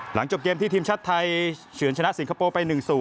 หลังจบเกมที่ทีมชาติไทยเฉินชนะสิงคโปร์ไป๑๐